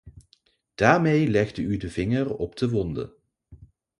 Daarmee legde u de vinger op de wonde.